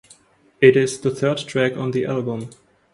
It is the third track on the album.